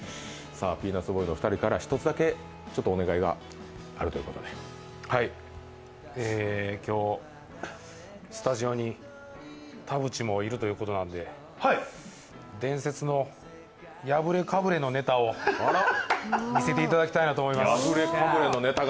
ピーナッツボーイズの２人から１つだけお願いがあるということで今日、スタジオに田渕もいるということなんで、伝説のやぶれかぶれのネタを見せていただきたいと思います。